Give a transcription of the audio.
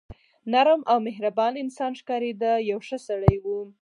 نرم او مهربان انسان ښکارېده، یو ښه سړی و.